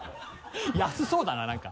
安そうだな何か。